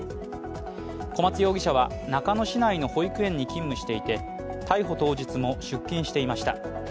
小松容疑者は中野市内の保育園に勤務していて逮捕当日も出勤していました。